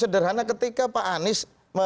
sederhana ketika pak anies